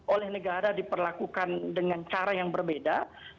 oleh negara diperlakukan dengan cara yang berbeda